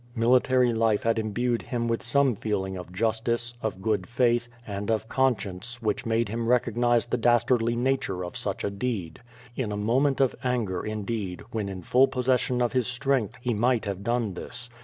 Military life had imbued him with some feeling of justice, of good faith, and of conscience which i88 Qf^O TADISi. made him recognize the dastarclly nature of such a deed. In a moment of anger, indeed, when in full possession of his strength, he might have done this.